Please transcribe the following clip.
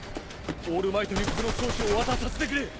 オールマイトにこの装置を渡させてくれ！